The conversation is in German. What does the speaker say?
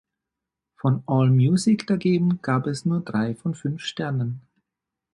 Von Allmusic dagegen gab es nur drei von fünf Sternen.